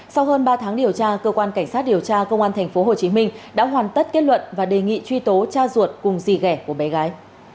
sau hơn ba tháng điều tra cơ quan cảnh sát điều tra công an tp hcm đã hoàn tất kết luận và đề nghị truy tố cha ruột cùng rì gẻ của bé gái